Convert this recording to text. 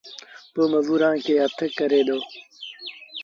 پو مزورآݩ کي هٿ ڪري دو